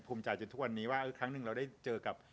ภูมิใจจนทุกวันนี้ว่าครั้งหนึ่งเราได้เจอกับ